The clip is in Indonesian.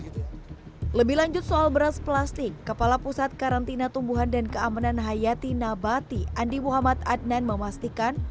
lebih lanjut soal beras plastik kepala pusat karantina tumbuhan dan keamanan hayati nabati andi muhammad adnan memastikan